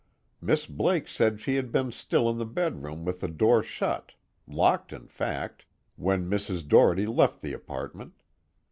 Miss Blake said she had been still in the bedroom with the door shut locked, in fact when Mrs. Doherty left the apartment.